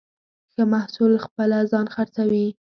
ښه محصول خپله ځان خرڅوي.